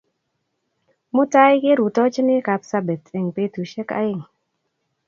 Mutai kerutochini Kapsabet eng' petusyek aeng'